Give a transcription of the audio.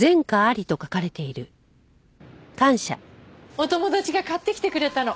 お友達が買ってきてくれたの。